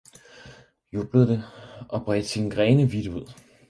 jublede det og bredte sine grene vidt ud.